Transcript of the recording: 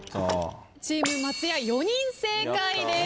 チーム松也４人正解です。